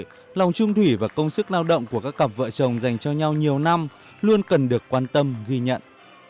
vì vậy lòng trung thủy và công sức lao động của các cặp vợ chồng dành cho nhau nhiều năm luôn cần được quan tâm ghi nhận